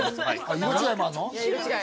◆色違いもあるの。